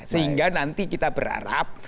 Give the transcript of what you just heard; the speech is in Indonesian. sehingga nanti kita berharap